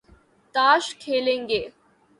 تاش کھیلیں گے